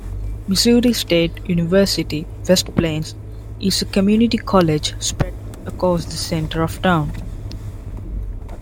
Missouri State University-West Plains is a community college spread across the center of town.